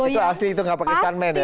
itu asli itu nggak pakai stuntman ya